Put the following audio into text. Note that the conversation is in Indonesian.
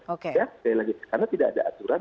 sekali lagi karena tidak ada aturan